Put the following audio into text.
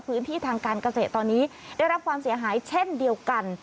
พื้นที่ทางการเกษตรตอนนี้ได้รับความเสียหายเช่นเดียวกัน